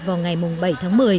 vào ngày bảy tháng một mươi